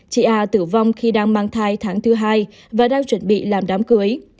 chị a tử vong khi đang mang thai tháng thứ hai và đang chuẩn bị làm đám cưới